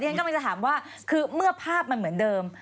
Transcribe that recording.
แต่งั้นก็ไม่ถามว่าคือเมื่อภาพมันเหมือนเดิม